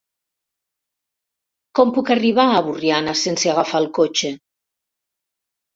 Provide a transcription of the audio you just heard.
Com puc arribar a Borriana sense agafar el cotxe?